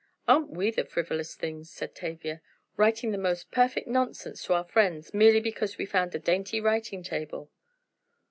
"Aren't we the frivolous things," said Tavia, "writing the most perfect nonsense to our friends merely because we found a dainty writing table!"